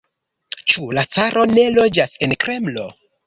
Ĉu la caro ne loĝas en Kremlo?